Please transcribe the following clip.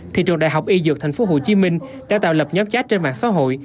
thì trường đại học y dược tp hcm đã tạo lập nhóm chat trên mạng xã hội